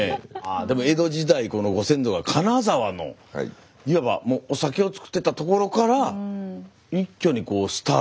でも江戸時代このご先祖が金沢のお酒を造ってたところから一挙にスターダムというか。